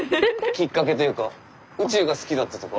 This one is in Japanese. きっかけというか宇宙が好きだったとか？